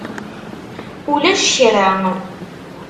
Ulac kra.